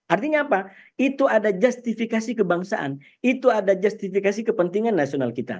artinya apa itu ada justifikasi kebangsaan itu ada justifikasi kepentingan nasional kita